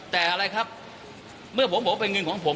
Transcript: แต่อะไรครับเมื่อผมบอกว่าเป็นเงินของผม